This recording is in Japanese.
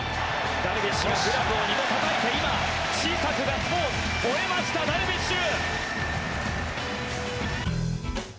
ダルビッシュがグラブを２度たたいて小さくガッツポーズ吠えました、ダルビッシュ！